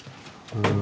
うん。